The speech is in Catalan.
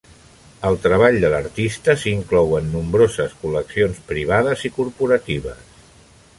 El treball de l'artista s'inclou en nombroses col·leccions privades i corporatives.